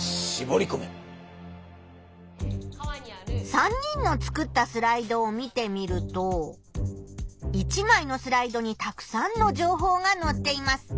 ３人の作ったスライドを見てみると１まいのスライドにたくさんの情報がのっています。